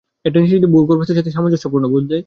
এটা নিশ্চিত যে ভূগর্ভস্থের সাথে সামঞ্জস্যপূর্ণ, বুঝলে?